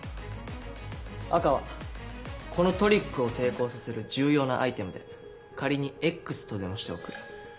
赤はこのトリックを成功させる重要なアイテムで仮にＸとでもしておく。